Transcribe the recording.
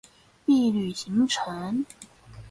畢旅行程